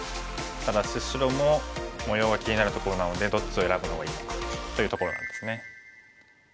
ただし白も模様が気になるところなのでどっちを選ぶのがいいのかというところなんですね。